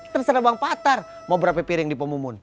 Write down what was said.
terserah bang patar mau berapa piring di pemumun